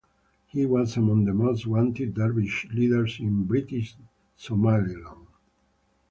He was among the most wanted Dervish leaders in British Somaliland.